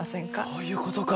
そういうことか！